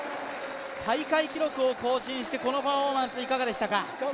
大会記録を更新してこのパフォーマンスいかがでしたか？